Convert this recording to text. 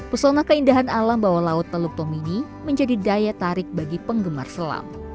pesona keindahan alam bawah laut teluk tomini menjadi daya tarik bagi penggemar selam